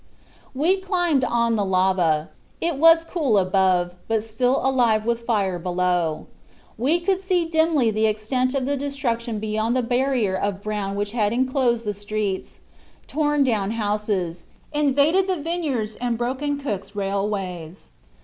"We climbed on the lava. It was cool above but still alive with fire below. We could see dimly the extent of the destruction beyond the barrier of brown which had enclosed the streets, torn down the houses, invaded the vineyards and broken Cook's railways.